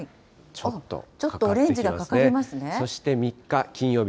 ちょっとオレンジがかかりますね。